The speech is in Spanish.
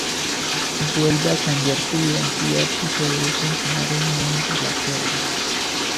Vuelve a cambiar su identidad y se dedica a enseñar en Nueva Inglaterra.